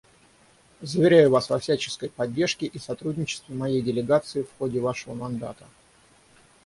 Заверяю вас во всяческой поддержке и сотрудничестве моей делегации в ходе вашего мандата.